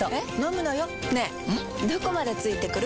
どこまで付いてくる？